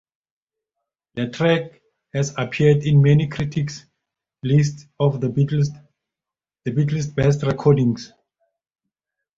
The track has appeared in many critics' lists of the Beatles' best recordings.